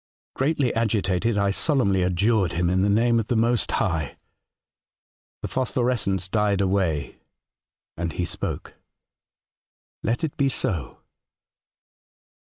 Greatly agitated, I solemnly adjured him in the name of the Most High. The phos phorescence died away and he spoke. ' Let it be so